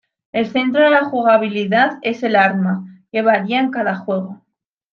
El centro de la jugabilidad es el arma, que varía en cada juego.